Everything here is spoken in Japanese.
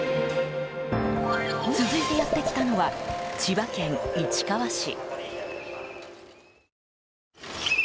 続いてやってきたのは千葉県市川市。